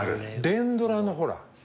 連ドラのほら。